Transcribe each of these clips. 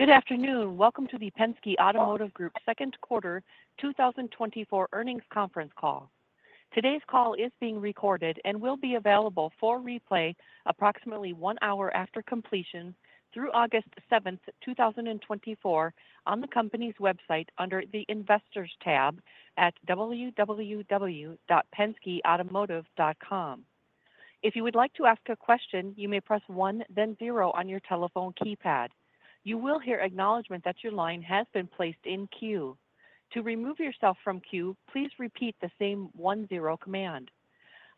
Good afternoon. Welcome to the Penske Automotive Group's Q2 2024 earnings conference call. Today's call is being recorded and will be available for replay approximately one hour after completion through August 7th, 2024, on the company's website under the Investors tab at www.penskeautomotive.com. If you would like to ask a question, you may press one, then zero on your telephone keypad. You will hear acknowledgment that your line has been placed in queue. To remove yourself from queue, please repeat the same one-zero command.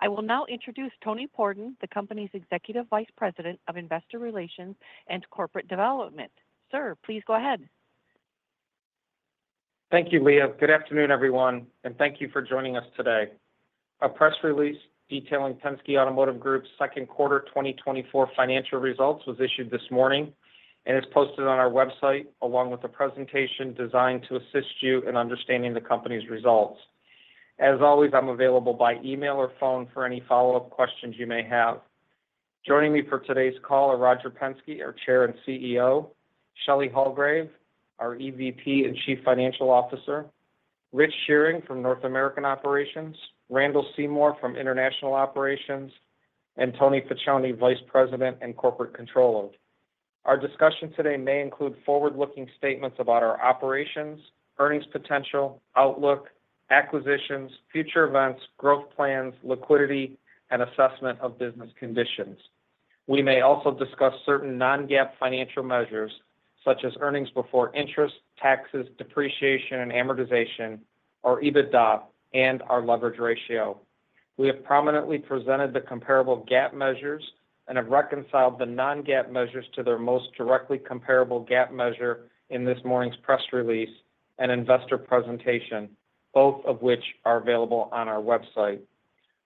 I will now introduce Tony Pordon, the company's executive vice president of investor relations and corporate development. Sir, please go ahead. Thank you, Leah. Good afternoon, everyone, and thank you for joining us today. A press release detailing Penske Automotive Group's Q2 2024 financial results was issued this morning and is posted on our website along with a presentation designed to assist you in understanding the company's results. As always, I'm available by email or phone for any follow-up questions you may have. Joining me for today's call are Roger Penske, our Chair and CEO; Shelley Hulgrave, our EVP and Chief Financial Officer; Rich Shearing from North American Operations; Randall Seymore from International Operations; and Tony Facione, Vice President and Corporate Controller. Our discussion today may include forward-looking statements about our operations, earnings potential, outlook, acquisitions, future events, growth plans, liquidity, and assessment of business conditions. We may also discuss certain non-GAAP financial measures such as earnings before interest, taxes, depreciation, and amortization, our EBITDA, and our leverage ratio. We have prominently presented the comparable GAAP measures and have reconciled the non-GAAP measures to their most directly comparable GAAP measure in this morning's press release and investor presentation, both of which are available on our website.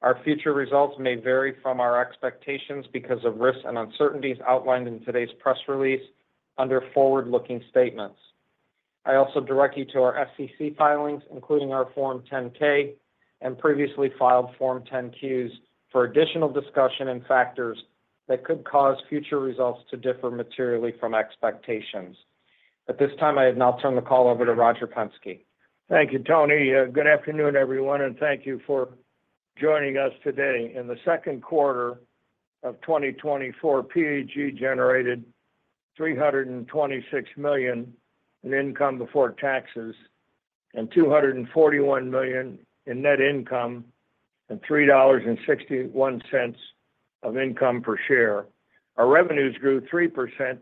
Our future results may vary from our expectations because of risks and uncertainties outlined in today's press release under forward-looking statements. I also direct you to our SEC filings, including our Form 10-K and previously filed Form 10-Qs, for additional discussion and factors that could cause future results to differ materially from expectations. At this time, I now turn the call over to Roger Penske. Thank you, Tony. Good afternoon, everyone, and thank you for joining us today. In the Q2 of 2024, PAG generated $326 million in income before taxes and $241 million in net income and $3.61 of income per share. Our revenues grew 3%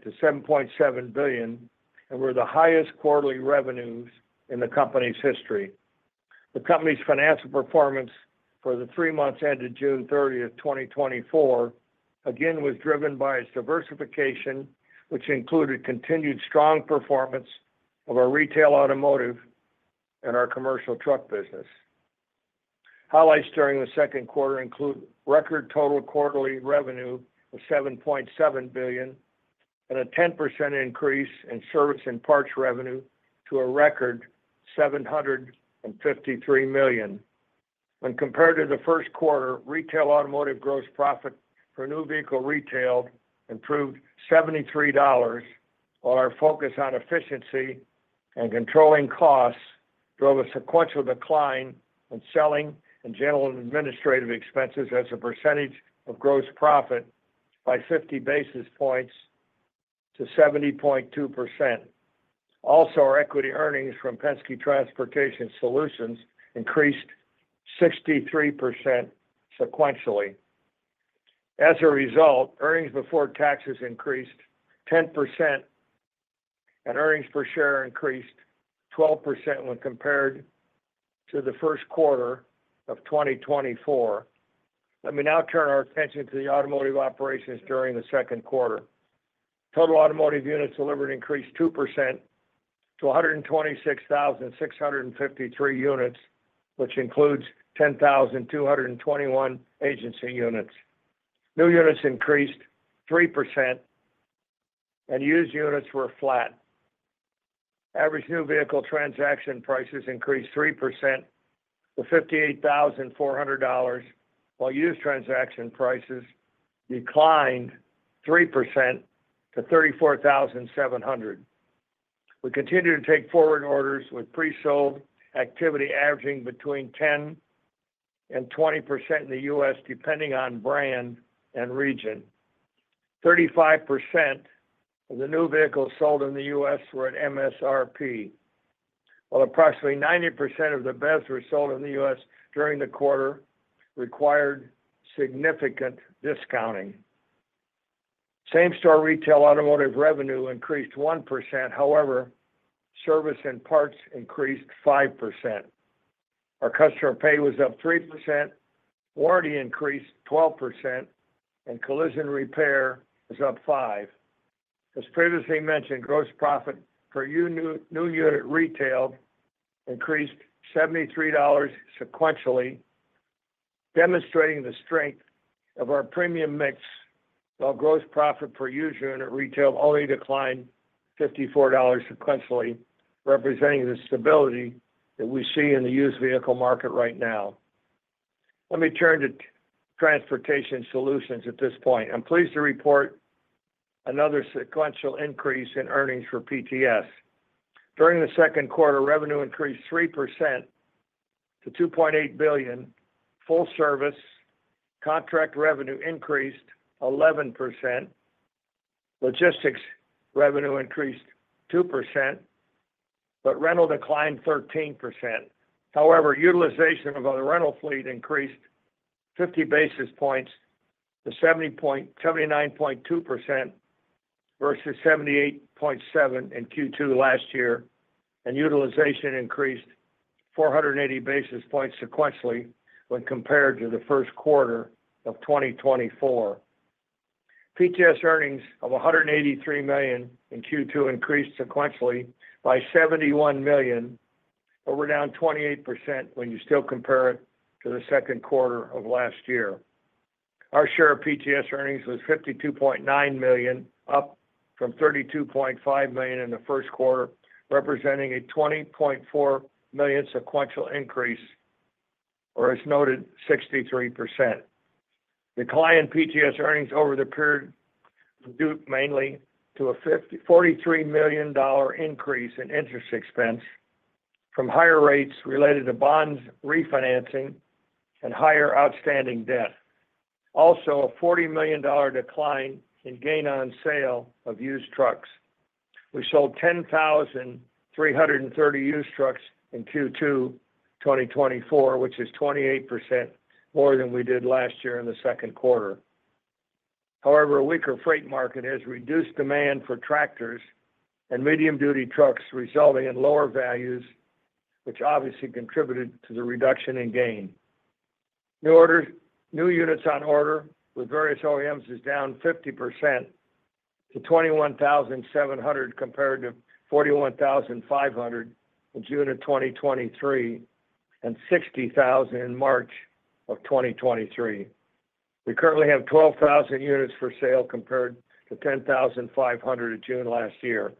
to $7.7 billion, and we're the highest quarterly revenues in the company's history. The company's financial performance for the three months ended June 30th, 2024, again was driven by its diversification, which included continued strong performance of our retail automotive and our commercial truck business. Highlights during the Q2 include record total quarterly revenue of $7.7 billion and a 10% increase in service and parts revenue to a record $753 million. When compared to the Q1, retail automotive gross profit for new vehicle retail improved $73, while our focus on efficiency and controlling costs drove a sequential decline in selling and general administrative expenses as a percentage of gross profit by 50 basis points to 70.2%. Also, our equity earnings from Penske Transportation Solutions increased 63% sequentially. As a result, earnings before taxes increased 10% and earnings per share increased 12% when compared to the Q1 of 2024. Let me now turn our attention to the automotive operations during the Q2. Total automotive units delivered increased 2% to 126,653 units, which includes 10,221 agency units. New units increased 3%, and used units were flat. Average new vehicle transaction prices increased 3% to $58,400, while used transaction prices declined 3% to $34,700. We continue to take forward orders with pre-sold activity averaging between 10% and 20% in the US, depending on brand and region. 35% of the new vehicles sold in the US were at MSRP, while approximately 90% of the BEVs sold in the US during the quarter required significant discounting. Same-store retail automotive revenue increased 1%. However, service and parts increased 5%. Our customer pay was up 3%, warranty increased 12%, and collision repair was up 5%. As previously mentioned, gross profit per new unit retail increased $73 sequentially, demonstrating the strength of our premium mix, while gross profit per used unit retail only declined $54 sequentially, representing the stability that we see in the used vehicle market right now. Let me turn to Transportation Solutions at this point. I'm pleased to report another sequential increase in earnings for PTS. During the Q2, revenue increased 3% to $2.8 billion. Full-service contract revenue increased 11%. Logistics revenue increased 2%, but rental declined 13%. However, utilization of our rental fleet increased 50 basis points to 79.2% versus 78.7% in Q2 last year, and utilization increased 480 basis points sequentially when compared to the first quarter of 2024. PTS earnings of $183 million in Q2 increased sequentially by $71 million, but were down 28% when you still compare it to the Q2 of last year. Our share of PTS earnings was $52.9 million, up from $32.5 million in the first quarter, representing a $20.4 million sequential increase, or as noted, 63%. Decline in PTS earnings over the period due mainly to a $43 million increase in interest expense from higher rates related to bonds refinancing and higher outstanding debt. Also, a $40 million decline in gain on sale of used trucks. We sold 10,330 used trucks in Q2 2024, which is 28% more than we did last year in the Q2. However, a weaker freight market has reduced demand for tractors and medium-duty trucks, resulting in lower values, which obviously contributed to the reduction in gain. New units on order with various OEMs is down 50% to $21,700 compared to $41,500 in June of 2023 and $60,000 in March of 2023. We currently have 12,000 units for sale compared to $10,500 at June last year.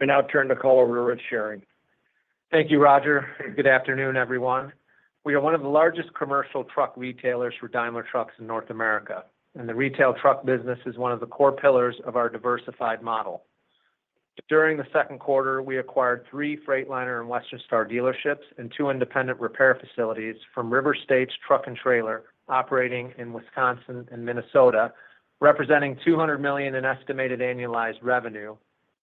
I now turn the call over to Rich Shearing. Thank you, Roger. Good afternoon, everyone. We are one of the largest commercial truck retailers for Daimler Truck in North America, and the retail truck business is one of the core pillars of our diversified model. During the Q2, we acquired three Freightliner and Western Star dealerships and two independent repair facilities from River States Truck and Trailer operating in Wisconsin and Minnesota, representing $200 million in estimated annualized revenue,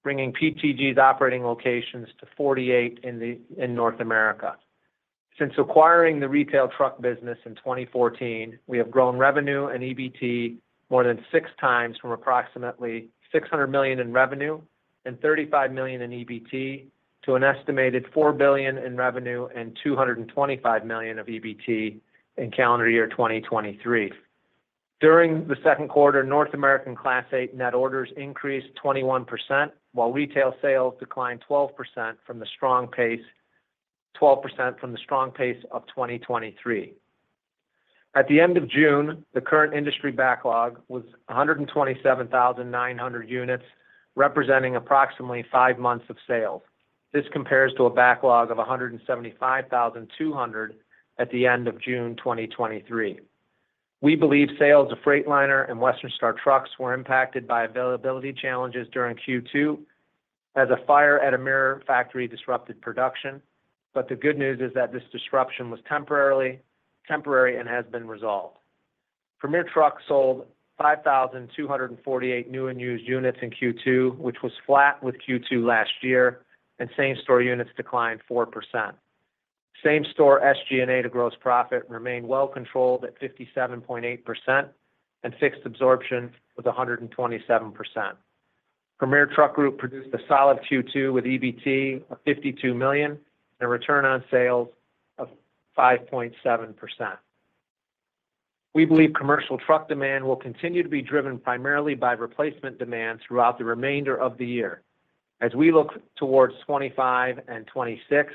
bringing PTG's operating locations to 48 in North America. Since acquiring the retail truck business in 2014, we have grown revenue and EBT more than six times from approximately $600 million in revenue and $35 million in EBT to an estimated $4 billion in revenue and $225 million of EBT in calendar year 2023. During the Q2, North American Class 8 net orders increased 21%, while retail sales declined 12% from the strong pace of 2023. At the end of June, the current industry backlog was 127,900 units, representing approximately five months of sales. This compares to a backlog of 175,200 at the end of June 2023. We believe sales of Freightliner and Western Star trucks were impacted by availability challenges during Q2, as a fire at a mirror factory disrupted production, but the good news is that this disruption was temporary and has been resolved. Premier Truck sold 5,248 new and used units in Q2, which was flat with Q2 last year, and same-store units declined 4%. Same-store SG&A to gross profit remained well controlled at 57.8%, and fixed absorption was 127%. Premier Truck Group produced a solid Q2 with EBT of $52 million and a return on sales of 5.7%. We believe commercial truck demand will continue to be driven primarily by replacement demand throughout the remainder of the year. As we look towards 2025 and 2026,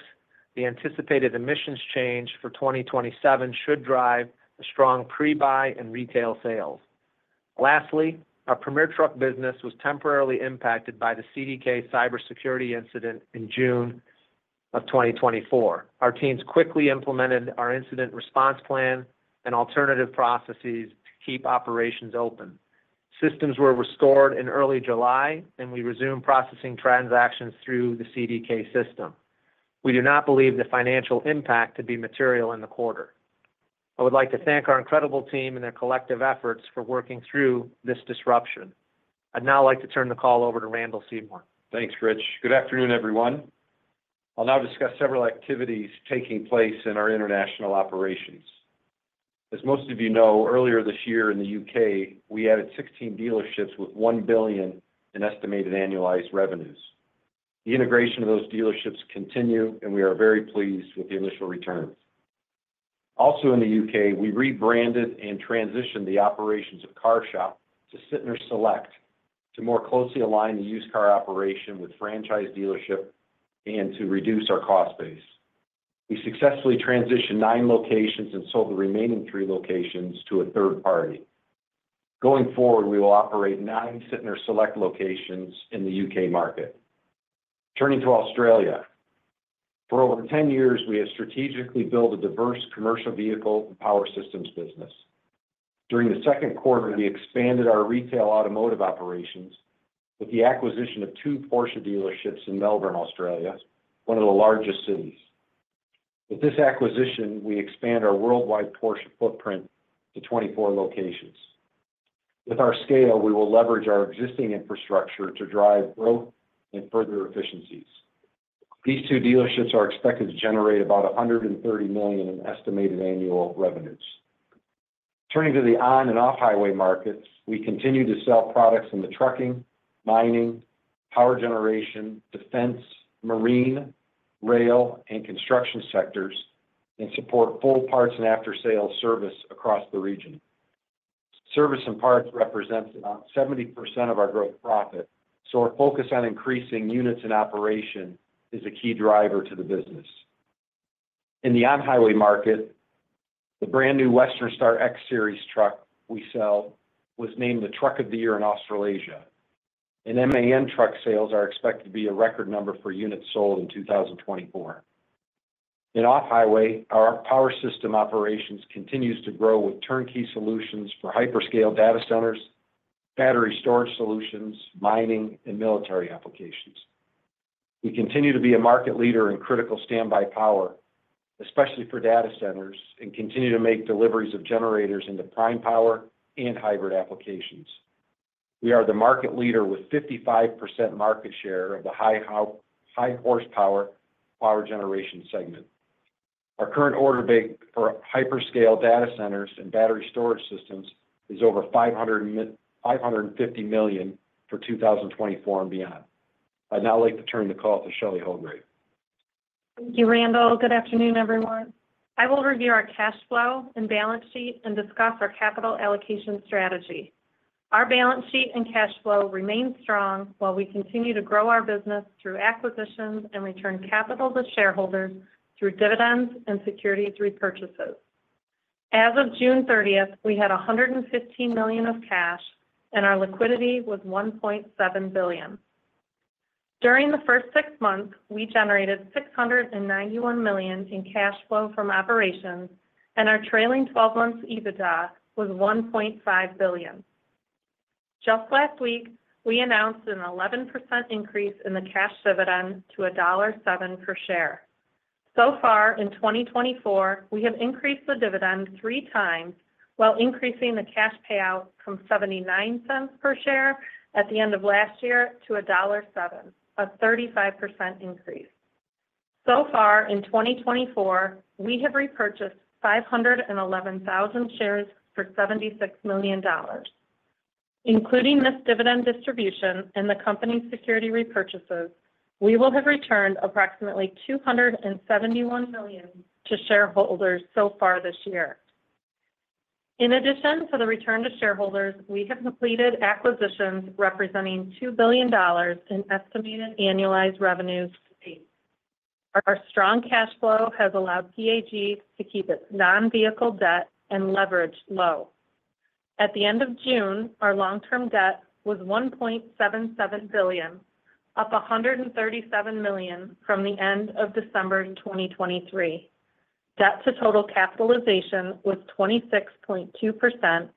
the anticipated emissions change for 2027 should drive a strong pre-buy and retail sales. Lastly, our Premier Truck business was temporarily impacted by the CDK cybersecurity incident in June of 2024. Our teams quickly implemented our incident response plan and alternative processes to keep operations open. Systems were restored in early July, and we resumed processing transactions through the CDK system. We do not believe the financial impact to be material in the quarter. I would like to thank our incredible team and their collective efforts for working through this disruption. I'd now like to turn the call over to Randall Seymore. Thanks, Rich. Good afternoon, everyone. I'll now discuss several activities taking place in our international operations. As most of you know, earlier this year in the UK, we added 16 dealerships with $1 billion in estimated annualized revenues. The integration of those dealerships continues, and we are very pleased with the initial returns. Also, in the UK, we rebranded and transitioned the operations of CarShop to Sytner Select to more closely align the used car operation with franchise dealership and to reduce our cost base. We successfully transitioned nine locations and sold the remaining three locations to a third party. Going forward, we will operate nine Sytner Select locations in the UK market. Turning to Australia, for over 10 years, we have strategically built a diverse commercial vehicle and power systems business. During the Q2, we expanded our retail automotive operations with the acquisition of two Porsche dealerships in Melbourne, Australia, one of the largest cities. With this acquisition, we expand our worldwide Porsche footprint to 24 locations. With our scale, we will leverage our existing infrastructure to drive growth and further efficiencies. These two dealerships are expected to generate about $130 million in estimated annual revenues. Turning to the on- and off-highway markets, we continue to sell products in the trucking, mining, power generation, defense, marine, rail, and construction sectors and support full parts and after-sales service across the region. Service and parts represent about 70% of our gross profit, so our focus on increasing units and operation is a key driver to the business. In the on-highway market, the brand new Western Star X-Series truck we sell was named the Truck of the Year in Australasia, and MAN truck sales are expected to be a record number for units sold in 2024. In off-highway, our power system operations continue to grow with turnkey solutions for hyperscale data centers, battery storage solutions, mining, and military applications. We continue to be a market leader in critical standby power, especially for data centers, and continue to make deliveries of generators into prime power and hybrid applications. We are the market leader with 55% market share of the high-horsepower power generation segment. Our current order bank for hyperscale data centers and battery storage systems is over $550 million for 2024 and beyond. I'd now like to turn the call to Shelley Hulgrave. Thank you, Randall. Good afternoon, everyone. I will review our cash flow and balance sheet and discuss our capital allocation strategy. Our balance sheet and cash flow remain strong while we continue to grow our business through acquisitions and return capital to shareholders through dividends and securities repurchases. As of June 30th, we had $115 million of cash, and our liquidity was $1.7 billion. During the first six months, we generated $691 million in cash flow from operations, and our trailing 12-month EBITDA was $1.5 billion. Just last week, we announced an 11% increase in the cash dividend to $1.07 per share. So far, in 2024, we have increased the dividend three times while increasing the cash payout from $0.79 per share at the end of last year to $1.07, a 35% increase. So far, in 2024, we have repurchased 511,000 shares for $76 million. Including this dividend distribution and the company security repurchases, we will have returned approximately $271 million to shareholders so far this year. In addition to the return to shareholders, we have completed acquisitions representing $2 billion in estimated annualized revenues. Our strong cash flow has allowed PAG to keep its non-vehicle debt and leverage low. At the end of June, our long-term debt was $1.77 billion, up $137 million from the end of December 2023. Debt-to-total capitalization was 26.2%,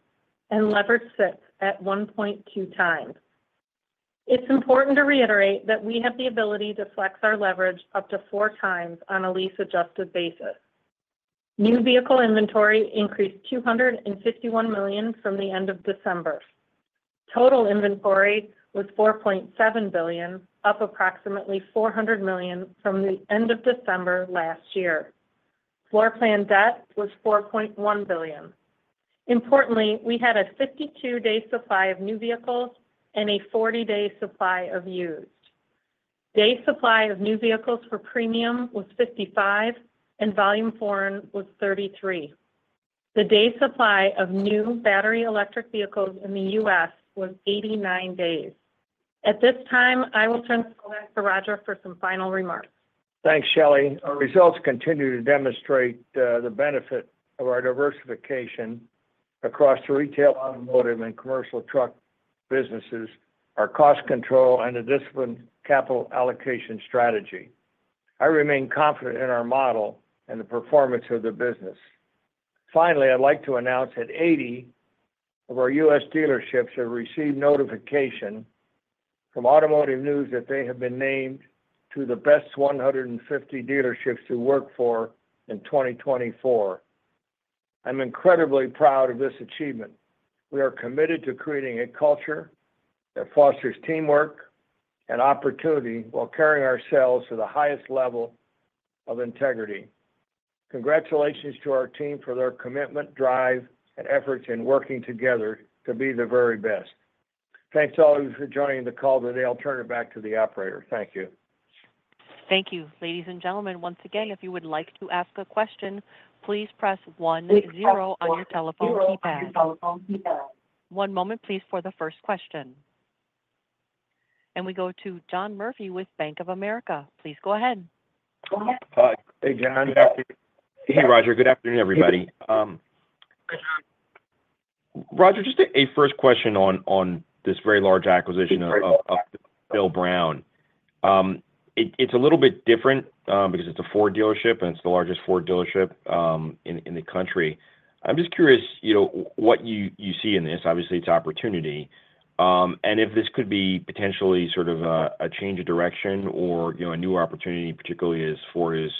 and leverage sits at 1.2 times. It's important to reiterate that we have the ability to flex our leverage up to four times on a lease-adjusted basis. New vehicle inventory increased $251 million from the end of December. Total inventory was $4.7 billion, up approximately $400 million from the end of December last year. Floor plan debt was $4.1 billion. Importantly, we had a 52-day supply of new vehicles and a 40-day supply of used. Day supply of new vehicles for premium was 55, and volume foreign was 33. The day supply of new battery electric vehicles in the US was 89 days. At this time, I will turn the call back to Roger for some final remarks. Thanks, Shelley. Our results continue to demonstrate the benefit of our diversification across the retail automotive and commercial truck businesses, our cost control, and the disciplined capital allocation strategy. I remain confident in our model and the performance of the business. Finally, I'd like to announce that 80 of our US dealerships have received notification from Automotive News that they have been named to the best 150 dealerships to work for in 2024. I'm incredibly proud of this achievement. We are committed to creating a culture that fosters teamwork and opportunity while carrying ourselves to the highest level of integrity. Congratulations to our team for their commitment, drive, and efforts in working together to be the very best. Thanks to all of you for joining the call today. I'll turn it back to the operator. Thank you. Thank you, ladies and gentlemen. Once again, if you would like to ask a question, please press 10 on your telephone keypad. One moment, please, for the first question. And we go to John Murphy with Bank of America. Please go ahead. Hey, John. Hey, Roger. Good afternoon, everybody. Roger, just a first question on this very large acquisition of Bill Brown. It's a little bit different because it's a Ford dealership, and it's the largest Ford dealership in the country. I'm just curious what you see in this. Obviously, it's opportunity. And if this could be potentially sort of a change of direction or a new opportunity, particularly as Ford is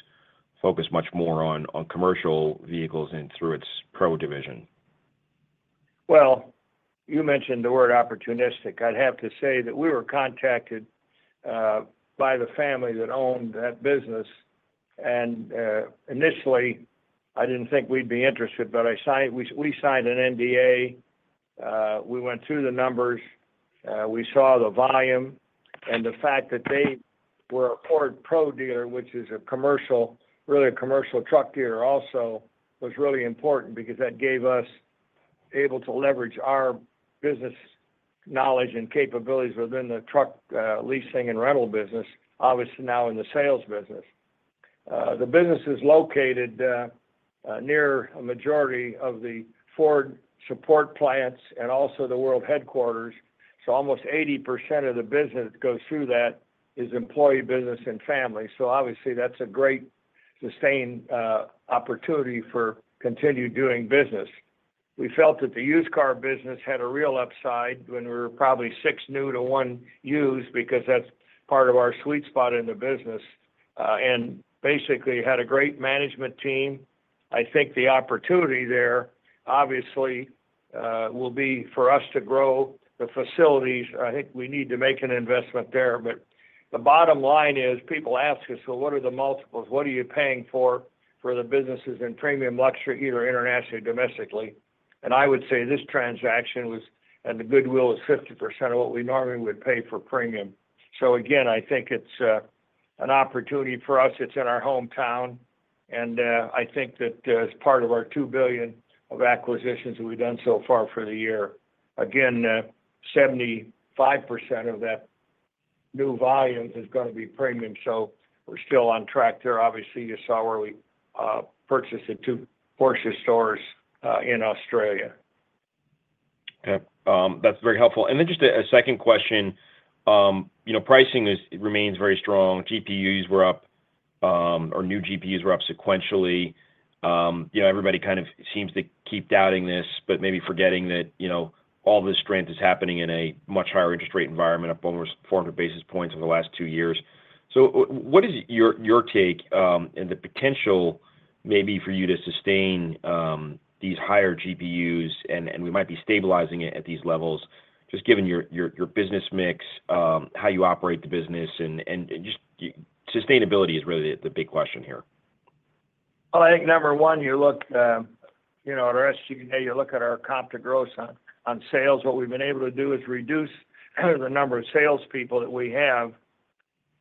focused much more on commercial vehicles and through its Pro division. Well, you mentioned the word opportunistic. I'd have to say that we were contacted by the family that owned that business. Initially, I didn't think we'd be interested, but we signed an NDA. We went through the numbers. We saw the volume. The fact that they were a Ford Pro dealer, which is really a commercial truck dealer also, was really important because that gave us the ability to leverage our business knowledge and capabilities within the truck leasing and rental business, obviously now in the sales business. The business is located near a majority of the Ford support plants and also the world headquarters. Almost 80% of the business that goes through that is employee business and family. Obviously, that's a great sustained opportunity for continued doing business. We felt that the used car business had a real upside when we were probably 6 new to 1 used because that's part of our sweet spot in the business. And basically had a great management team. I think the opportunity there, obviously, will be for us to grow the facilities. I think we need to make an investment there. But the bottom line is people ask us, "Well, what are the multiples? What are you paying for the businesses in premium, luxury, either internationally or domestically?" And I would say this transaction was, and the goodwill is 50% of what we normally would pay for premium. So again, I think it's an opportunity for us. It's in our hometown. I think that as part of our $2 billion of acquisitions that we've done so far for the year, again, 75% of that new volume is going to be premium. So we're still on track there. Obviously, you saw where we purchased two Porsche stores in Australia. Yep. That's very helpful. And then just a second question. Pricing remains very strong. GPUs were up, or new GPUs were up sequentially. Everybody kind of seems to keep doubting this, but maybe forgetting that all this strength is happening in a much higher interest rate environment, up almost 400 basis points over the last 2 years. So what is your take and the potential maybe for you to sustain these higher GPUs? And we might be stabilizing it at these levels, just given your business mix, how you operate the business, and just sustainability is really the big question here. Well, I think number one, you look at our SG&A, you look at our comp to growth on sales. What we've been able to do is reduce the number of salespeople that we have,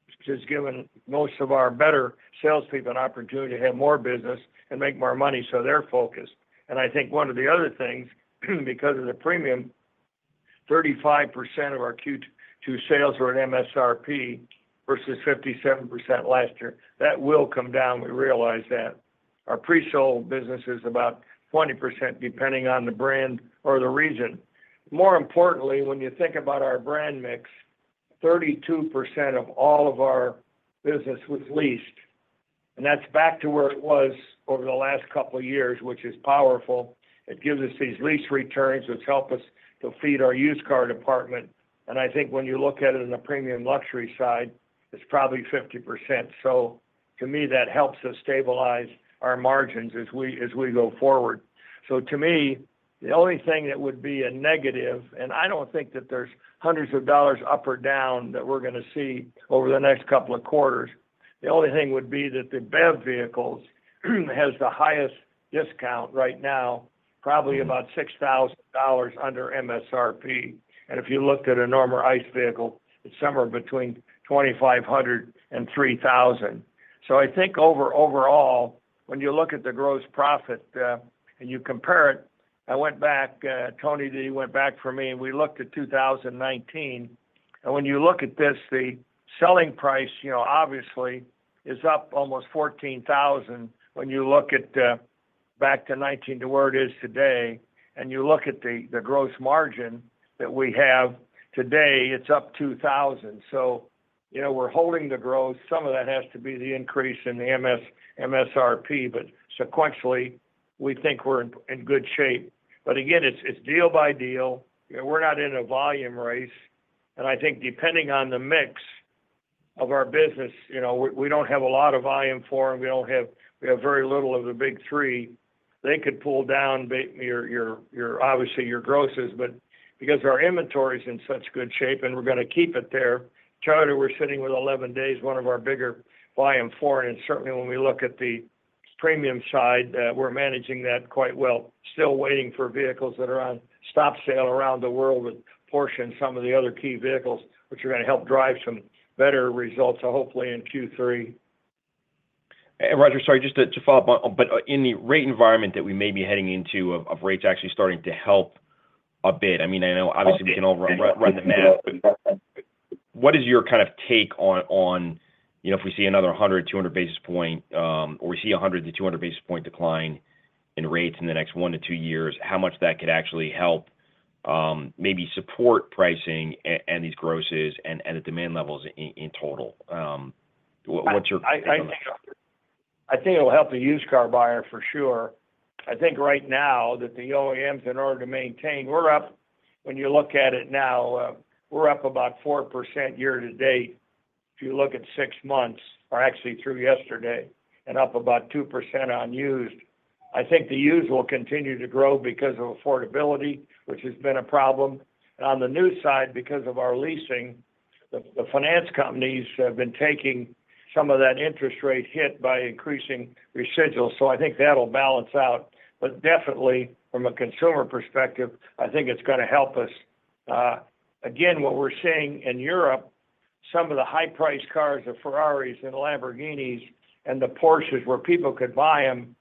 which has given most of our better salespeople an opportunity to have more business and make more money. So they're focused. And I think one of the other things, because of the premium, 35% of our Q2 sales were at MSRP versus 57% last year. That will come down. We realize that. Our pre-sold business is about 20%, depending on the brand or the region. More importantly, when you think about our brand mix, 32% of all of our business was leased. And that's back to where it was over the last couple of years, which is powerful. It gives us these lease returns, which help us to feed our used car department. I think when you look at it on the premium luxury side, it's probably 50%. So to me, that helps us stabilize our margins as we go forward. So to me, the only thing that would be a negative, and I don't think that there's hundreds of dollars up or down that we're going to see over the next couple of quarters, the only thing would be that the BEV vehicles has the highest discount right now, probably about $6,000 under MSRP. And if you looked at a normal ICE vehicle, it's somewhere between $2,500-$3,000. So I think overall, when you look at the gross profit and you compare it, I went back, Thony P went back for me, and we looked at 2019. When you look at this, the selling price, obviously, is up almost $14,000 when you look back to 2019 to where it is today. You look at the gross margin that we have today, it's up $2,000. So we're holding the growth. Some of that has to be the increase in the MSRP, but sequentially, we think we're in good shape. But again, it's deal by deal. We're not in a volume race. And I think depending on the mix of our business, we don't have a lot of volume for them. We have very little of the Big Three. They could pull down obviously your grosses, but because our inventory is in such good shape and we're going to keep it there. China, we're sitting with 11 days, one of our bigger volume foreign. Certainly, when we look at the premium side, we're managing that quite well. Still waiting for vehicles that are on stop sale around the world with Porsche and some of the other key vehicles, which are going to help drive some better results, hopefully, in Q3. Roger, sorry, just to follow up on, but in the rate environment that we may be heading into, of rates actually starting to help a bit. I mean, I know obviously we can all run the math. What is your kind of take on if we see another 100, 200 basis point, or we see 100-200 basis point decline in rates in the next one to two years, how much that could actually help maybe support pricing and these grosses and the demand levels in total? What's your? I think it'll help the used car buyer for sure. I think right now that the OEMs, in order to maintain, we're up, when you look at it now, we're up about 4% year to date. If you look at six months, or actually through yesterday, and up about 2% on used. I think the used will continue to grow because of affordability, which has been a problem. And on the new side, because of our leasing, the finance companies have been taking some of that interest rate hit by increasing residuals. So I think that'll balance out. But definitely, from a consumer perspective, I think it's going to help us. Again, what we're seeing in Europe, some of the high-priced cars, the Ferraris and Lamborghinis and the Porsches, where people could buy them,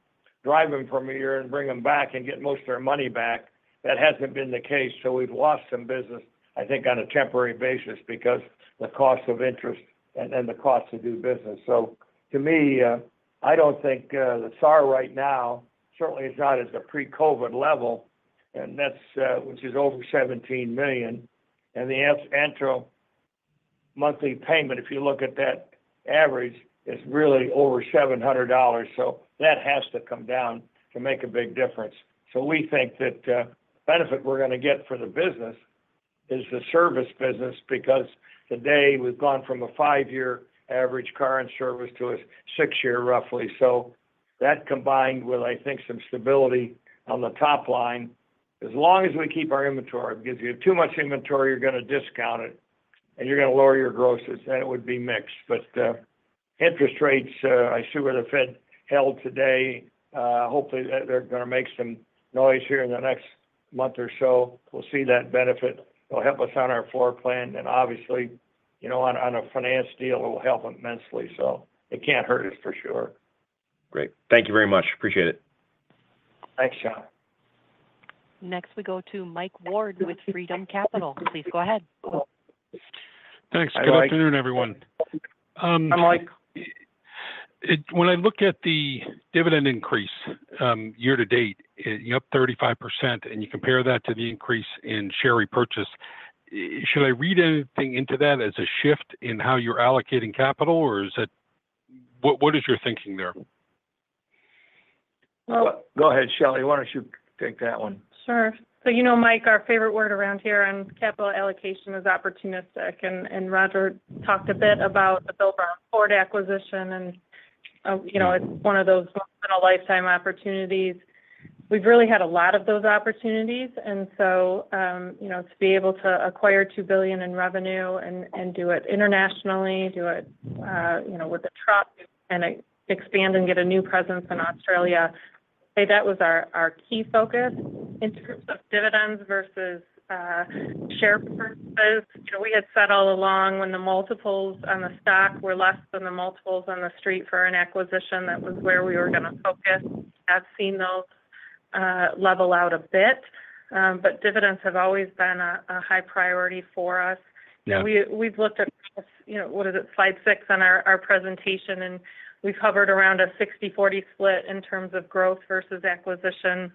drive them for a year and bring them back and get most of their money back, that hasn't been the case. So we've lost some business, I think, on a temporary basis because of the cost of interest and the cost to do business. So to me, I don't think the SAAR right now, certainly it's not at the pre-COVID level, which is over 17 million. And the annual monthly payment, if you look at that average, is really over $700. So that has to come down to make a big difference. So we think that the benefit we're going to get for the business is the service business because today we've gone from a 5-year average car and service to a 6-year, roughly. So that combined with, I think, some stability on the top line. As long as we keep our inventory, because if you have too much inventory, you're going to discount it and you're going to lower your grosses, then it would be mixed. But interest rates, I see where the Fed held today. Hopefully, they're going to make some noise here in the next month or so. We'll see that benefit. It'll help us on our floor plan. And obviously, on a finance deal, it will help immensely. So it can't hurt us for sure. Great. Thank you very much. Appreciate it. Thanks, John. Next, we go to Mike Ward with Freedom Capital. Please go ahead. Thanks. Good afternoon, everyone. Hi, Mike. When I look at the dividend increase year to date, you're up 35%, and you compare that to the increase in share repurchase, should I read anything into that as a shift in how you're allocating capital, or what is your thinking there? Well, go ahead, Shelley. Why don't you take that one? Sure. So you know, Mike, our favorite word around here on capital allocation is opportunistic. And Roger talked a bit about the Bill Brown Ford acquisition, and it's one of those once-in-a-lifetime opportunities. We've really had a lot of those opportunities. And so to be able to acquire $2 billion in revenue and do it internationally, do it with a truck, and expand and get a new presence in Australia, that was our key focus in terms of dividends versus share purchases. We had said all along when the multiples on the stock were less than the multiples on the street for an acquisition, that was where we were going to focus. I've seen those level out a bit, but dividends have always been a high priority for us. We've looked at, what is it, slide 6 on our presentation, and we've covered around a 60/40 split in terms of growth versus acquisition.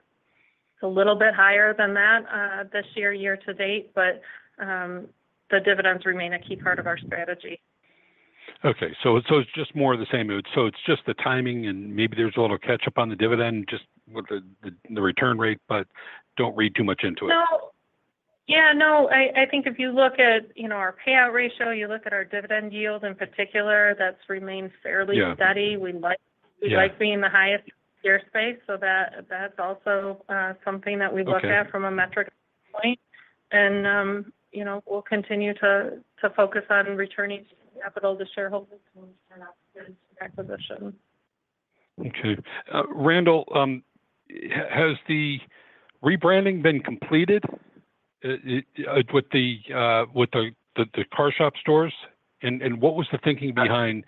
It's a little bit higher than that this year, year to date, but the dividends remain a key part of our strategy. Okay. So it's just more of the same. So it's just the timing, and maybe there's a little catch-up on the dividend, just with the return rate, but don't read too much into it. No. Yeah, no. I think if you look at our payout ratio, you look at our dividend yield in particular, that's remained fairly steady. We like being the highest in the share space, so that's also something that we look at from a metric point. And we'll continue to focus on returning capital to shareholders and acquisitions. Okay. Randall Seymore, has the rebranding been completed with the CarShop stores? And what was the thinking behind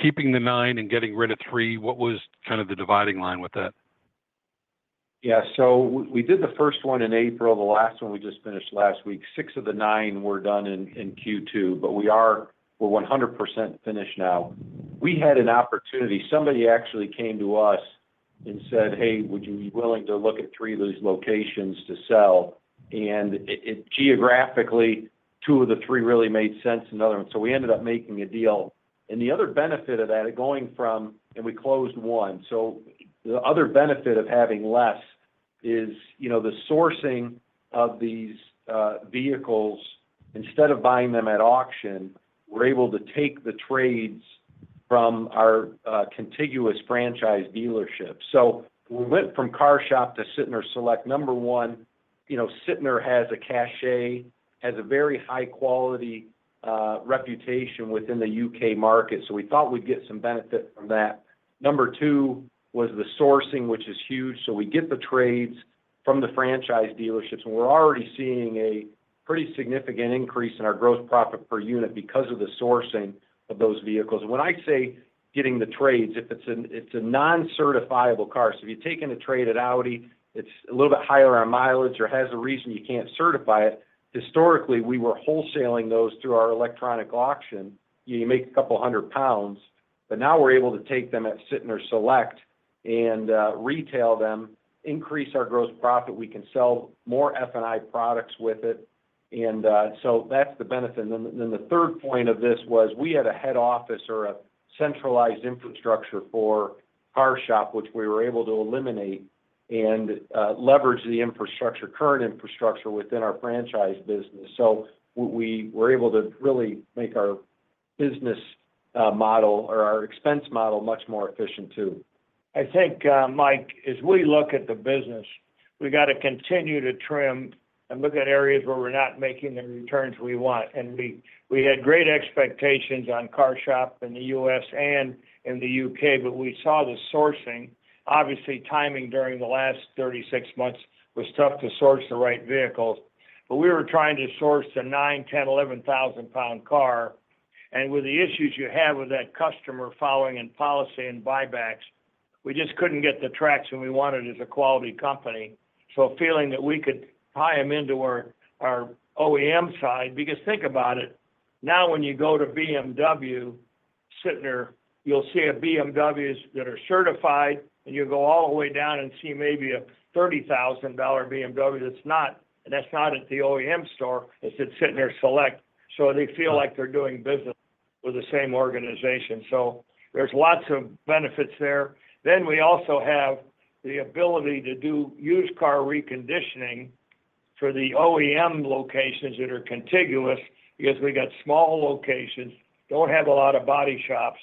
keeping the nine and getting rid of three? What was kind of the dividing line with that? Yeah. So we did the first one in April. The last one we just finished last week. 6 of the 9 were done in Q2, but we're 100% finished now. We had an opportunity. Somebody actually came to us and said, "Hey, would you be willing to look at 3 of these locations to sell?" And geographically, 2 of the 3 really made sense in other ones. So we ended up making a deal. And the other benefit of that, going from, and we closed one. So the other benefit of having less is the sourcing of these vehicles. Instead of buying them at auction, we're able to take the trades from our contiguous franchise dealership. So we went from CarShop to Sytner Select. Number one, Sytner has a cachet, has a very high-quality reputation within the UK market. So we thought we'd get some benefit from that. Number two was the sourcing, which is huge. So we get the trades from the franchise dealerships, and we're already seeing a pretty significant increase in our gross profit per unit because of the sourcing of those vehicles. And when I say getting the trades, it's a non-certifiable car. So if you take in a trade at Audi, it's a little bit higher on mileage or has a reason you can't certify it. Historically, we were wholesaling those through our electronic auction. You make a couple hundred GBP, but now we're able to take them at Sytner Select and retail them, increase our gross profit. We can sell more F&I products with it. And so that's the benefit. Then the third point of this was we had a head office or a centralized infrastructure for CarShop, which we were able to eliminate and leverage the current infrastructure within our franchise business. So we were able to really make our business model or our expense model much more efficient too. I think, Mike, as we look at the business, we got to continue to trim and look at areas where we're not making the returns we want. And we had great expectations on CarShop in the US and in the UK, but we saw the sourcing. Obviously, timing during the last 36 months was tough to source the right vehicles. But we were trying to source a 9,000, 10,000, 11,000 pound car. With the issues you have with that customer following and policy and buybacks, we just couldn't get the stock when we wanted as a quality company. So feeling that we could tie them into our OEM side, because think about it, now when you go to BMW Sytner, you'll see BMWs that are certified, and you'll go all the way down and see maybe a $30,000 BMW that's not at the OEM store. It's at Sytner Select. So they feel like they're doing business with the same organization. So there's lots of benefits there. Then we also have the ability to do used car reconditioning for the OEM locations that are contiguous because we got small locations, don't have a lot of body shops.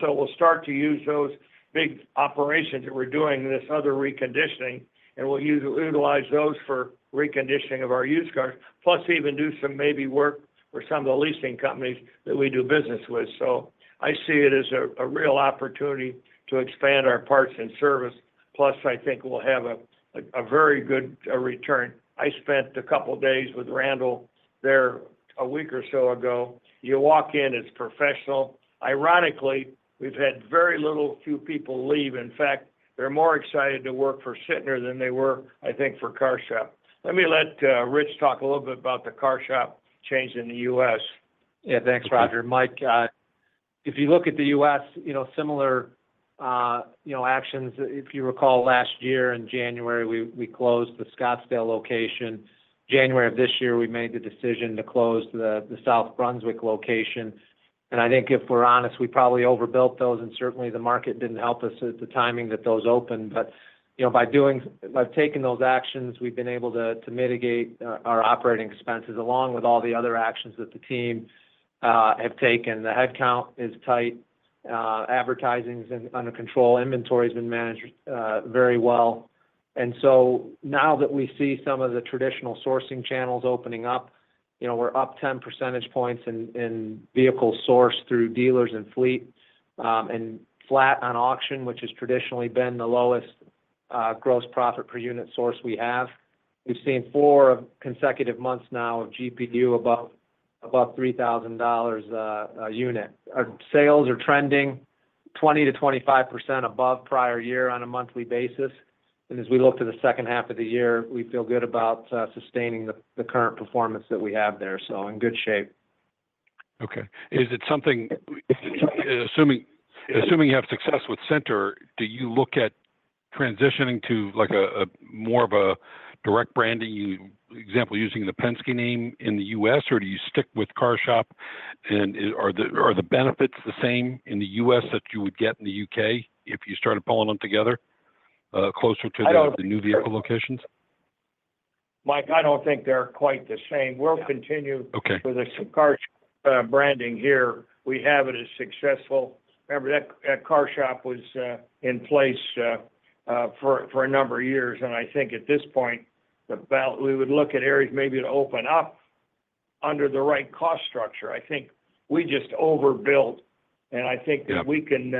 So we'll start to use those big operations that we're doing this other reconditioning, and we'll utilize those for reconditioning of our used cars, plus even do some maybe work for some of the leasing companies that we do business with. So I see it as a real opportunity to expand our parts and service. Plus, I think we'll have a very good return. I spent a couple of days with Randall there a week or so ago. You walk in, it's professional. Ironically, we've had very little few people leave. In fact, they're more excited to work for Sytner than they were, I think, for CarShop. Let me let Rich talk a little bit about the CarShop change in the US Yeah, thanks, Roger. Mike, if you look at the US, similar actions. If you recall last year in January, we closed the Scottsdale location. January of this year, we made the decision to close the South Brunswick location. And I think if we're honest, we probably overbuilt those, and certainly the market didn't help us at the timing that those opened. But by taking those actions, we've been able to mitigate our operating expenses along with all the other actions that the team have taken. The headcount is tight. Advertising is under control. Inventory has been managed very well. And so now that we see some of the traditional sourcing channels opening up, we're up 10 percentage points in vehicle source through dealers and fleet and flat on auction, which has traditionally been the lowest gross profit per unit source we have. We've seen four consecutive months now of GPU above $3,000 a unit. Our sales are trending 20%-25% above prior year on a monthly basis. And as we look to the second half of the year, we feel good about sustaining the current performance that we have there. So in good shape. Okay. Assuming you have success with Sytner, do you look at transitioning to more of a direct branding, example, using the Penske name in the US, or do you stick with CarShop? And are the benefits the same in the US that you would get in the UK if you started pulling them together closer to the new vehicle locations? Mike, I don't think they're quite the same. We'll continue with the CarShop branding here. We have it as successful. Remember, that CarShop was in place for a number of years. And I think at this point, we would look at areas maybe to open up under the right cost structure. I think we just overbuilt, and I think that we can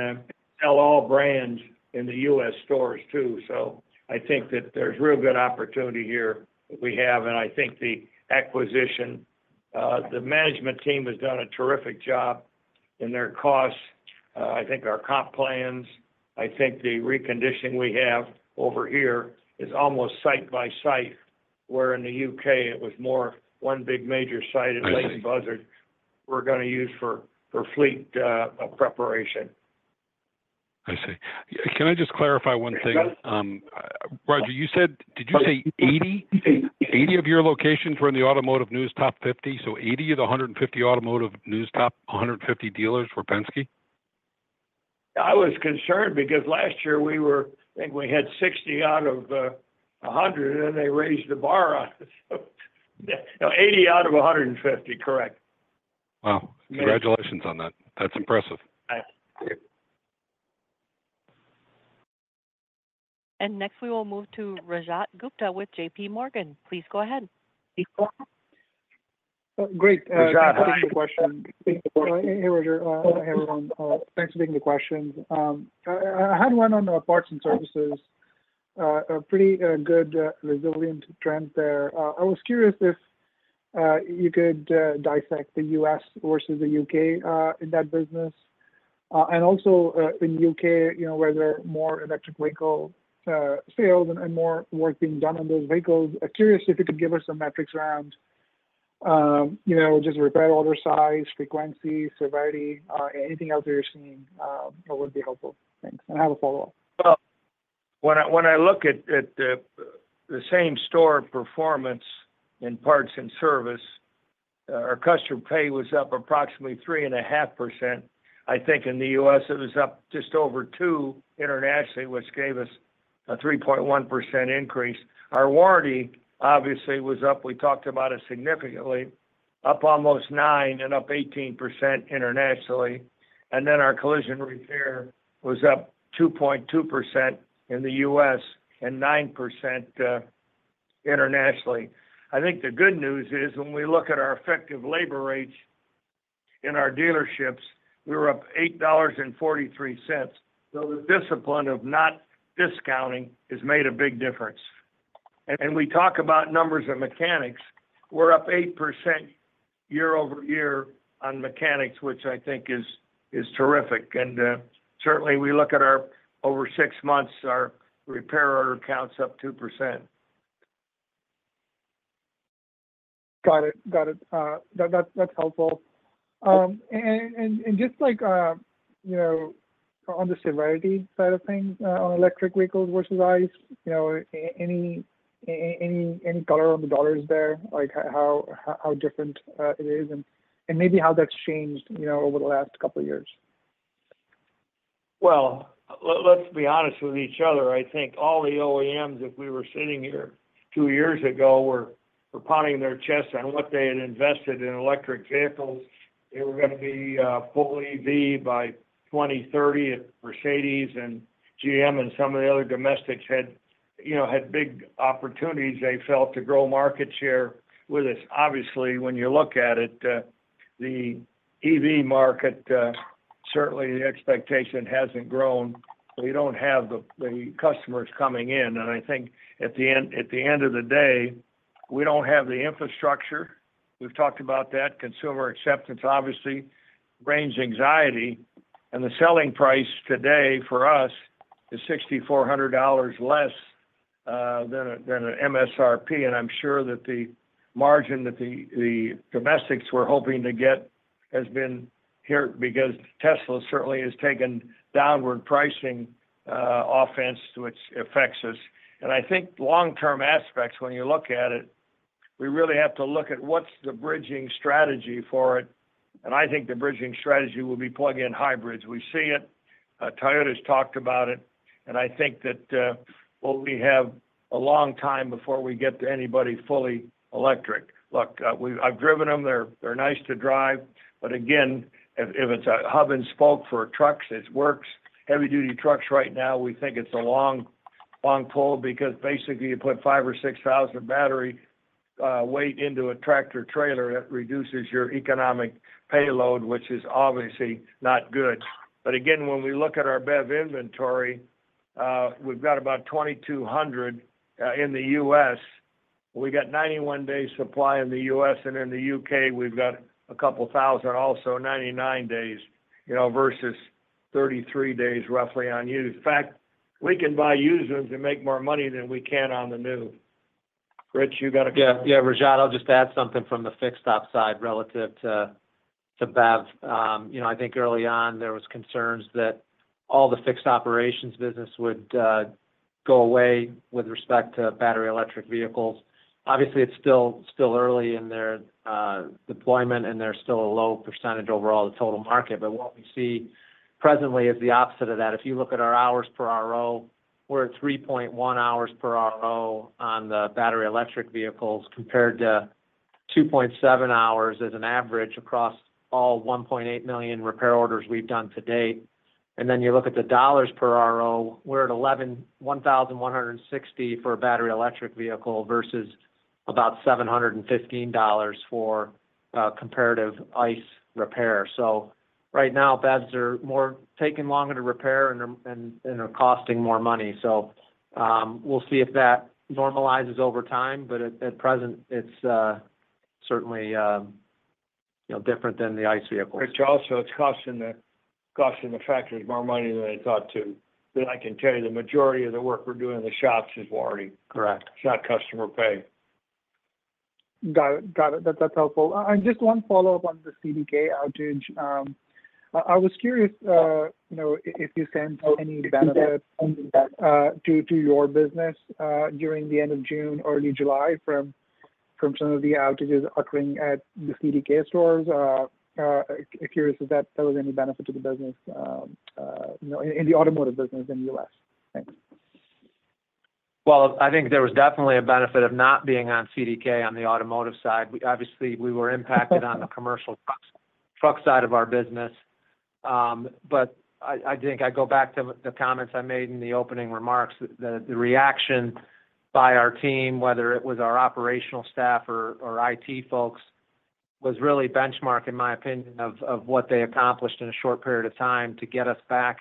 sell all brands in the US stores too. So I think that there's real good opportunity here that we have. And I think the acquisition, the management team has done a terrific job in their costs. I think our comp plans, I think the reconditioning we have over here is almost site by site where in the UK it was more one big major site in Leighton Buzzard we're going to use for fleet preparation. I see. Can I just clarify one thing? Roger, did you say 80 of your locations were in the Automotive News Top 50? So 80 of the 150 Automotive News Top 150 dealers were Penske? I was concerned because last year we were, I think we had 60 out of 100, and then they raised the bar on it. So 80 out of 150, correct. Wow. Congratulations on that. That's impressive. Thanks. Next, we will move to Rajat Gupta with J.P. Morgan. Please go ahead. Great. Rajat, thanks for the question. Hey, Roger. Hey, everyone. Thanks for taking the question. I had one on parts and services. A pretty good resilient trend there. I was curious if you could dissect the US versus the UK in that business. Also in the UK, where there are more electric vehicle sales and more work being done on those vehicles, I'm curious if you could give us some metrics around just repair order size, frequency, severity, anything else that you're seeing. That would be helpful. Thanks. I have a follow-up. Well, when I look at the same store performance in parts and service, our customer pay was up approximately 3.5%. I think in the US, it was up just over 2% internationally, which gave us a 3.1% increase. Our warranty, obviously, was up. We talked about it significantly. Up almost 9% and up 18% internationally. And then our collision repair was up 2.2% in the US and 9% internationally. I think the good news is when we look at our effective labor rates in our dealerships, we were up $8.43. So the discipline of not discounting has made a big difference. And we talk about numbers of mechanics. We're up 8% year-over-year on mechanics, which I think is terrific. And certainly, we look at our over six months, our repair order count's up 2%. Got it. Got it. That's helpful. And just on the severity side of things on electric vehicles versus ICE, any color on the dollars there, how different it is, and maybe how that's changed over the last couple of years? Well, let's be honest with each other. I think all the OEMs, if we were sitting here two years ago, were pounding their chests on what they had invested in electric vehicles. They were going to be fully EV by 2030. Mercedes and GM and some of the other domestics had big opportunities, they felt, to grow market share with us. Obviously, when you look at it, the EV market, certainly the expectation hasn't grown. We don't have the customers coming in. And I think at the end of the day, we don't have the infrastructure. We've talked about that. Consumer acceptance, obviously, brings anxiety. And the selling price today for us is $6,400 less than an MSRP. And I'm sure that the margin that the domestics were hoping to get has been hit because Tesla certainly has taken downward pricing offense, which affects us. And I think long-term aspects, when you look at it, we really have to look at what's the bridging strategy for it. And I think the bridging strategy will be plug-in hybrids. We see it. Toyota's talked about it. And I think that we'll only have a long time before we get to anybody fully electric. Look, I've driven them. They're nice to drive. But again, if it's a hub and spoke for trucks, it works. Heavy-duty trucks right now, we think it's a long pull because basically you put 5,000 or 6,000 battery weight into a tractor trailer. It reduces your economic payload, which is obviously not good. But again, when we look at our BEV inventory, we've got about 2,200 in the US We got 91 days supply in the US In the UK, we've got 2,000 also, 99 days versus 33 days roughly on used. In fact, we can buy used ones and make more money than we can on the new. Rich, you got a question? Yeah. Rajat, I'll just add something from the fixed-op side relative to BEV. I think early on, there were concerns that all the fixed operations business would go away with respect to battery electric vehicles. Obviously, it's still early in their deployment, and they're still a low percentage overall of the total market. But what we see presently is the opposite of that. If you look at our hours per RO, we're at 3.1 hours per RO on the battery electric vehicles compared to 2.7 hours as an average across all 1.8 million repair orders we've done to date. And then you look at the dollars per RO, we're at $1,160 for a battery electric vehicle versus about $715 for comparative ICE repair. So right now, BEVs are taking longer to repair and are costing more money. So we'll see if that normalizes over time. But at present, it's certainly different than the ICE vehicles. It's also costing the factories more money than they thought too. I can tell you the majority of the work we're doing in the shops is warranty. It's not customer pay. Got it. Got it. That's helpful. Just one follow-up on the CDK outage. I was curious if you sensed any benefit to your business during the end of June, early July from some of the outages occurring at the CDK stores. Curious if that was any benefit to the business in the automotive business in the US Thanks. Well, I think there was definitely a benefit of not being on CDK on the automotive side. Obviously, we were impacted on the commercial truck side of our business. I think I go back to the comments I made in the opening remarks. The reaction by our team, whether it was our operational staff or IT folks, was really benchmark, in my opinion, of what they accomplished in a short period of time to get us back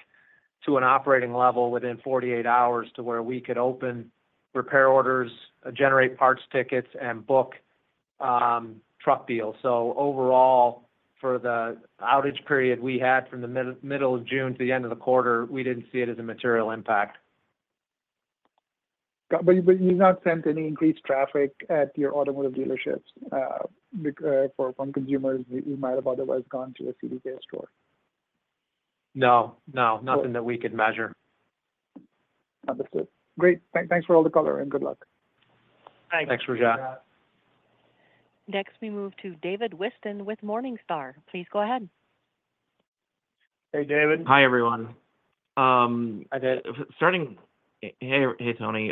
to an operating level within 48 hours to where we could open repair orders, generate parts tickets, and book truck deals. So overall, for the outage period we had from the middle of June to the end of the quarter, we didn't see it as a material impact. But you've not sensed any increased traffic at your automotive dealerships? For consumers, you might have otherwise gone to a CDK store? No. No. Nothing that we could measure. Understood. Great. Thanks for all the color and good luck. Thanks, Rajat. Next, we move to David Whiston with Morningstar. Please go ahead. Hey, David. Hi, everyone. Starting, hey, Tony.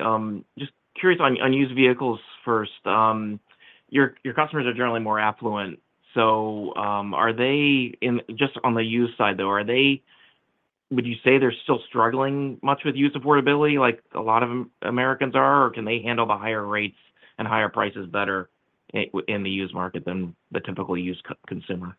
Just curious on used vehicles first. Your customers are generally more affluent. So are they just on the used side, though? Would you say they're still struggling much with used affordability like a lot of Americans are? Or can they handle the higher rates and higher prices better in the used market than the typical used consumer?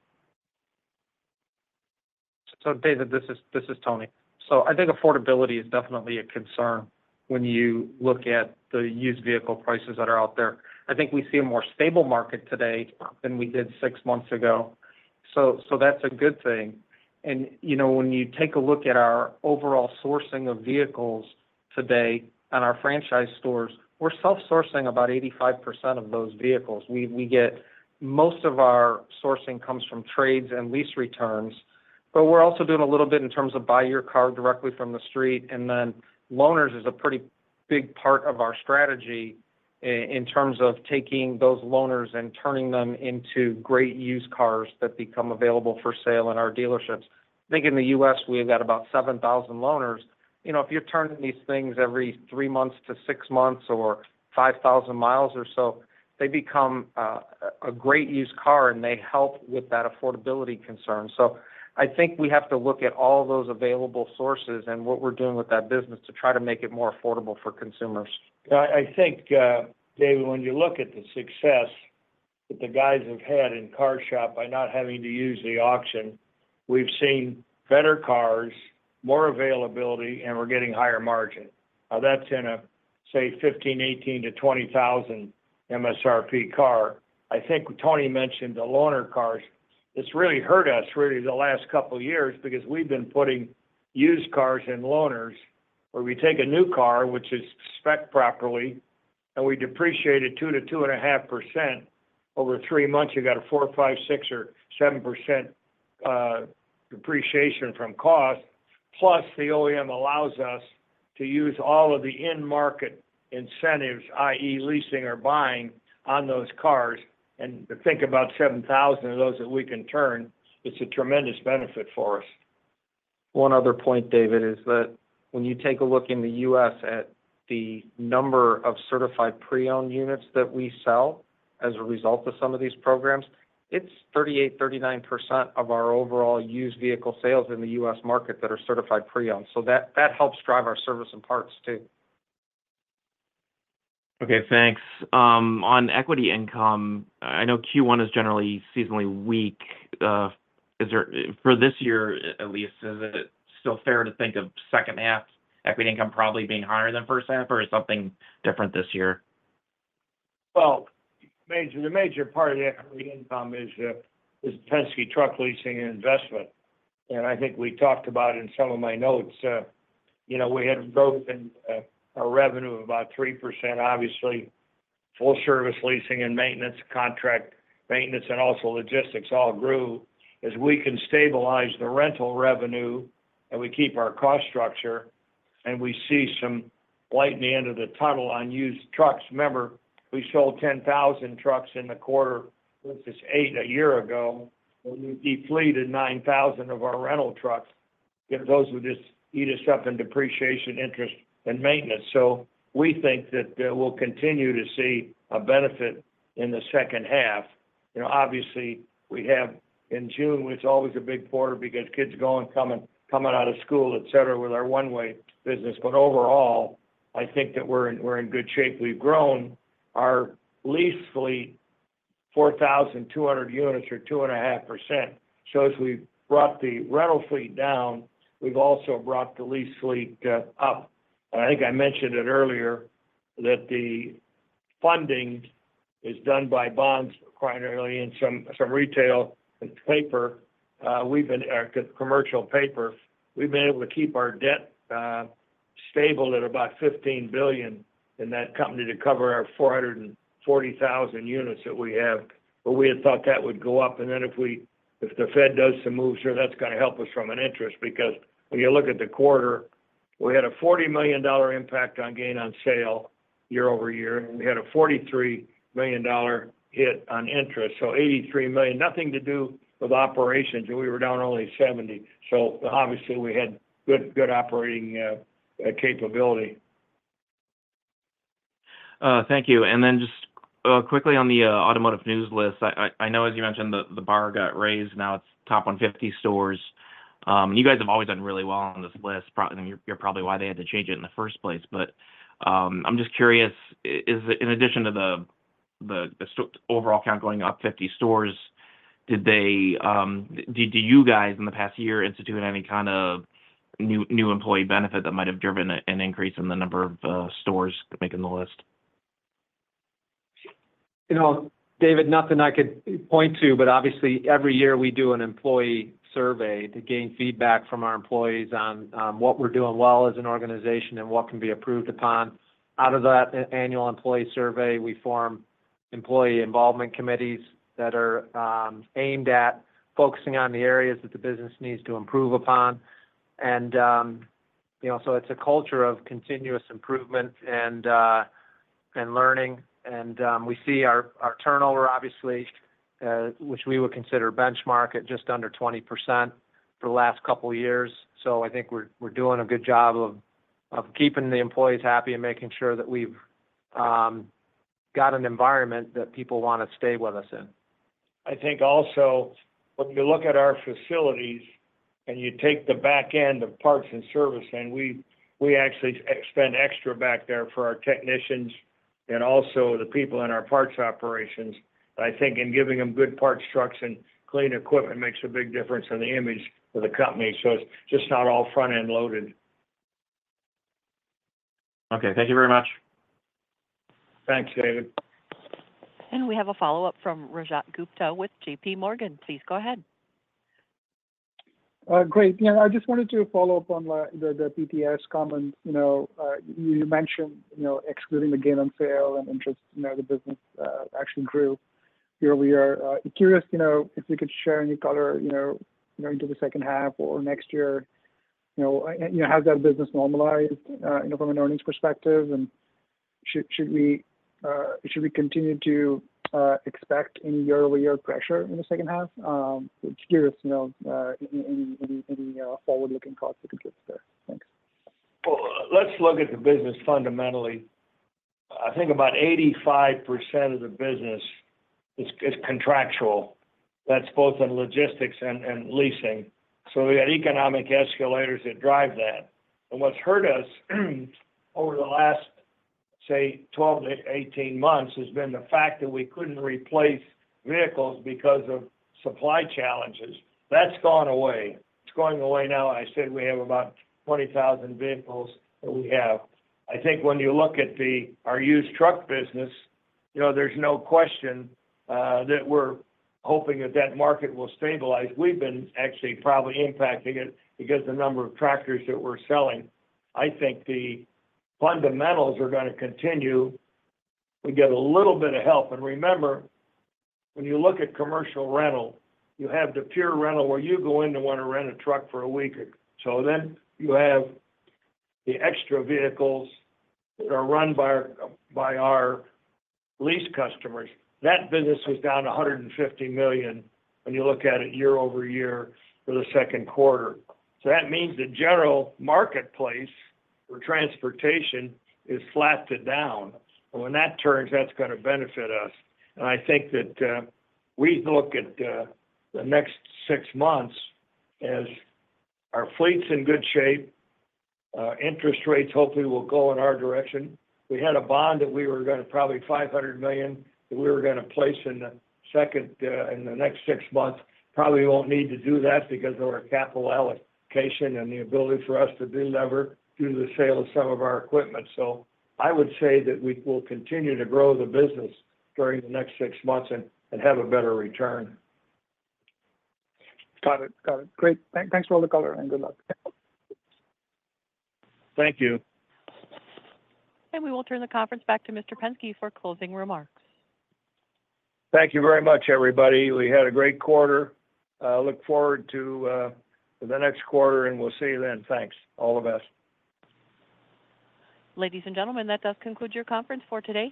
So David, this is Tony. So I think affordability is definitely a concern when you look at the used vehicle prices that are out there. I think we see a more stable market today than we did six months ago. So that's a good thing. And when you take a look at our overall sourcing of vehicles today on our franchise stores, we're self-sourcing about 85% of those vehicles. Most of our sourcing comes from trades and lease returns. But we're also doing a little bit in terms of buy your car directly from the street. And then loaners is a pretty big part of our strategy in terms of taking those loaners and turning them into great used cars that become available for sale in our dealerships. I think in the US, we've got about 7,000 loaners. If you're turning these things every 3 months to 6 months or 5,000 miles or so, they become a great used car, and they help with that affordability concern. So I think we have to look at all those available sources and what we're doing with that business to try to make it more affordable for consumers. I think, David, when you look at the success that the guys have had in CarShop by not having to use the auction, we've seen better cars, more availability, and we're getting higher margin. Now, that's in a, say, 15-18 to 20 thousand MSRP car. I think Tony mentioned the loaner cars. It's really hurt us really the last couple of years because we've been putting used cars in loaners where we take a new car, which is specced properly, and we depreciate it 2%-2.5%. Over three months, you've got a 4%, 5%, 6%, or 7% depreciation from cost. Plus, the OEM allows us to use all of the in-market incentives, i.e., leasing or buying on those cars. And to think about 7,000 of those that we can turn, it's a tremendous benefit for us. One other point, David, is that when you take a look in the US at the number of certified pre-owned units that we sell as a result of some of these programs, it's 38%-39% of our overall used vehicle sales in the US market that are certified pre-owned. So that helps drive our service and parts too. Okay. Thanks. On equity income, I know Q1 is generally seasonally weak. For this year at least, is it still fair to think of second-half equity income probably being higher than first-half? Or is something different this year? Well, the major part of the equity income is Penske Truck Leasing and investment. I think we talked about it in some of my notes. We had growth in our revenue of about 3%. Obviously, full-service leasing and maintenance, contract maintenance, and also logistics all grew as we can stabilize the rental revenue and we keep our cost structure. We see some light at the end of the tunnel on used trucks. Remember, we sold 10,000 trucks in the quarter versus 8,000 a year ago. We depleted 9,000 of our rental trucks. Those would just eat us up in depreciation, interest, and maintenance. We think that we'll continue to see a benefit in the second half. Obviously, in June, it's always a big quarter because kids are going and coming out of school, etc., with our one-way business. But overall, I think that we're in good shape. We've grown our lease fleet 4,200 units or 2.5%. So as we've brought the rental fleet down, we've also brought the lease fleet up. And I think I mentioned it earlier that the funding is done by bonds primarily and some retail and paper. We've been commercial paper. We've been able to keep our debt stable at about $15 billion in that company to cover our 440,000 units that we have. But we had thought that would go up. And then if the Fed does some moves here, that's going to help us from an interest because when you look at the quarter, we had a $40 million impact on gain on sale year-over-year. We had a $43 million hit on interest. So $83 million, nothing to do with operations. We were down only $70 million. Obviously, we had good operating capability. Thank you. And then just quickly on the Automotive News list, I know as you mentioned, the bar got raised. Now it's top 150 stores. You guys have always done really well on this list. You're probably why they had to change it in the first place. But I'm just curious, in addition to the overall count going up 50 stores, did you guys in the past year institute any kind of new employee benefit that might have driven an increase in the number of stores making the list? David, nothing I could point to. But obviously, every year we do an employee survey to gain feedback from our employees on what we're doing well as an organization and what can be improved upon. Out of that annual employee survey, we form employee involvement committees that are aimed at focusing on the areas that the business needs to improve upon. And so it's a culture of continuous improvement and learning. And we see our turnover, obviously, which we would consider benchmark at just under 20% for the last couple of years. So I think we're doing a good job of keeping the employees happy and making sure that we've got an environment that people want to stay with us in. I think also when you look at our facilities and you take the back end of parts and service, and we actually spend extra back there for our technicians and also the people in our parts operations. I think in giving them good parts trucks and clean equipment makes a big difference in the image of the company. So it's just not all front-end loaded. Okay. Thank you very much. Thanks, David. We have a follow-up from Rajat Gupta with J.P. Morgan. Please go ahead. Great. I just wanted to follow up on the PTS comment. You mentioned excluding the gain on sale and interest. The business actually grew year-over-year. Curious if you could share any color into the second half or next year, has that business normalized from an earnings perspective? And should we continue to expect any year-over-year pressure in the second half? Curious any forward-looking thoughts you could give to this? Thanks. Well, let's look at the business fundamentally. I think about 85% of the business is contractual. That's both in logistics and leasing. So we had economic escalators that drive that. And what's hurt us over the last, say, 12-18 months has been the fact that we couldn't replace vehicles because of supply challenges. That's gone away. It's going away now. I said we have about 20,000 vehicles that we have. I think when you look at our used truck business, there's no question that we're hoping that that market will stabilize. We've been actually probably impacting it because the number of tractors that we're selling. I think the fundamentals are going to continue. We get a little bit of help. And remember, when you look at commercial rental, you have the pure rental where you go in to want to rent a truck for a week. So then you have the extra vehicles that are run by our lease customers. That business was down $150 million when you look at it year-over-year for the Q2. So that means the general marketplace for transportation is flat to down. And when that turns, that's going to benefit us. And I think that we look at the next six months as our fleet's in good shape. Interest rates hopefully will go in our direction. We had a bond that we were going to probably $500 million that we were going to place in the next six months. Probably won't need to do that because of our capital allocation and the ability for us to deliver due to the sale of some of our equipment. So I would say that we will continue to grow the business during the next six months and have a better return. Got it. Got it. Great. Thanks for all the color and good luck. Thank you. We will turn the conference back to Mr. Penske for closing remarks. Thank you very much, everybody. We had a great quarter. I look forward to the next quarter, and we'll see you then. Thanks, all of us. Ladies and gentlemen, that does conclude your conference for today.